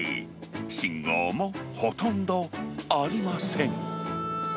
信号もほとんどありません。